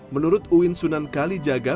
menurut uwin sunan kalijaga